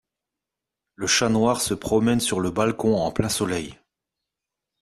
Le chat noir se promène sur le balcon en plein soleil